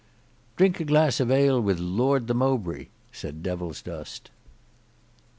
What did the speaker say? "Drink a glass of ale with Lord de Mowbray," said Devilsdust.